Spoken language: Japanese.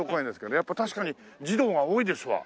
やっぱ確かに児童が多いですわ。